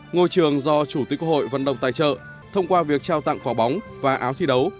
ngôi trường do chủ tịch quốc hội vận động tài trợ thông qua việc trao tặng quả bóng và áo thi đấu